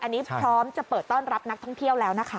อันนี้พร้อมจะเปิดต้อนรับนักท่องเที่ยวแล้วนะคะ